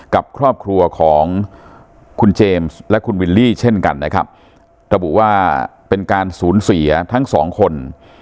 กับครอบครัวของคุณเจมส์และคุณวิลลี่เช่นกันนะครับระบุว่าเป็นการสูญเสียทั้งสองคน